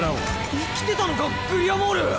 生きてたのか⁉グリアモール！